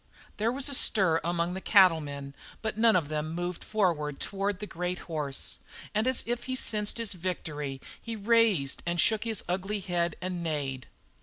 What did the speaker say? There was a stir among the cattlemen, but still none of them moved forward toward the great horse; and as if he sensed his victory he raised and shook his ugly head and neighed.